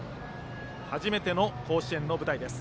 初めての甲子園の舞台です。